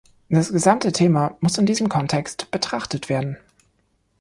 Das gesamte Thema muss in diesem Kontext betrachtet werden.